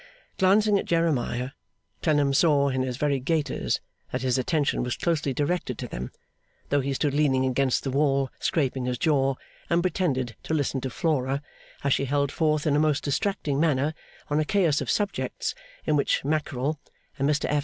Glancing at Jeremiah, Clennam saw in his very gaiters that his attention was closely directed to them, though he stood leaning against the wall scraping his jaw, and pretended to listen to Flora as she held forth in a most distracting manner on a chaos of subjects, in which mackerel, and Mr F.